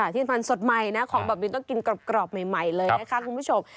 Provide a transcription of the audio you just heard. ที่มันสดใหม่นะของแบบนี้ต้องกินกรอบใหม่เลยนะคะคุณผู้ชม